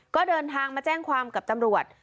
ก็เดินทางมาแจ้งความกับตำรวจ